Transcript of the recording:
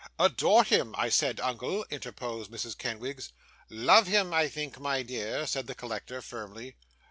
'"Adore him," I said, uncle,' interposed Mrs. Kenwigs. '"Love him," I think, my dear,' said the collector, firmly.